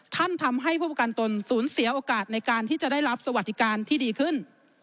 ทำให้ผู้ประกันตนสูญเสียโอกาสในการที่จะได้รับสวัสดิการที่ดีขึ้น